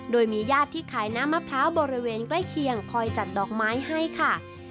โดยมีญาติที่ขายน้ำมะพร้าวบริเวณใกล้เคียงคอยจัดดอกไม้ให้ค่ะ